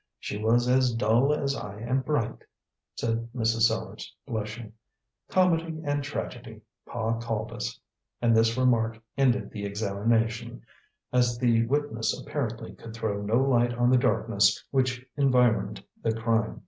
She was as dull as I am bright," said Mrs. Sellars, blushing. "Comedy and Tragedy, Pa called us," and this remark ended the examination, as the witness apparently could throw no light on the darkness which environed the crime.